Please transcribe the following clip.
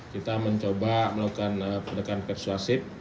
kita mencoba melakukan pendekatan persuasif